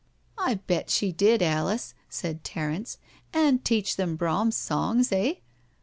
..."" I bet she did, Alice," said Terence, " and teach them Brahms' songs, eh?"